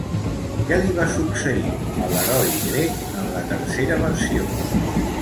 Què li va succeir a l'heroi grec en la tercera versió?